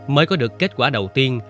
mới có được kết quả đầu tiên